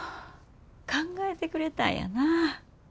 考えてくれたんやな。